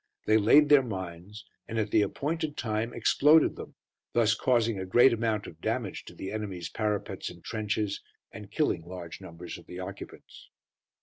They laid their mines, and at the appointed time exploded them, thus causing a great amount of damage to the enemy's parapets and trenches, and killing large numbers of the occupants.